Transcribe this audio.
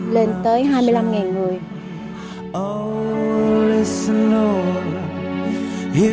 lên tới hai mươi năm người